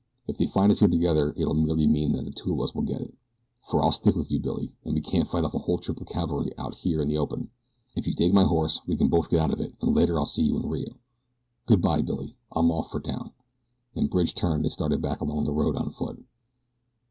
"If they find us here together it'll merely mean that the two of us will get it, for I'll stick with you, Billy, and we can't fight off a whole troop of cavalry out here in the open. If you take my horse we can both get out of it, and later I'll see you in Rio. Good bye, Billy, I'm off for town," and Bridge turned and started back along the road on foot.